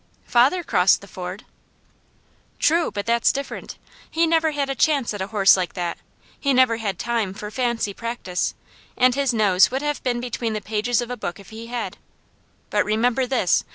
"Father crossed the ford!" "True! But that's different. He never had a chance at a horse like that! He never had time for fancy practice, and his nose would have been between the pages of a book if he had. But remember this!